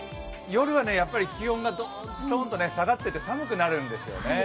夜は気温がストンと下がってて寒くなるんですよね。